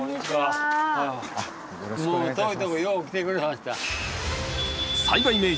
ああもう遠いとこよう来てくれました。